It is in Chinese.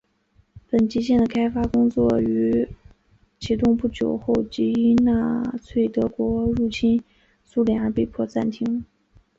本级舰的开发工作于启动不久后即因纳粹德国入侵苏联而被迫暂停。